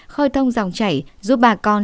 khơi thông dòng chảy giúp bà con